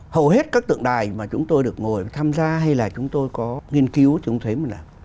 hầu hết các tượng đài mà chúng tôi được ngồi tham gia hay là chúng tôi có nghiên cứu chúng thấy một lần